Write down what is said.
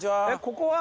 ここは？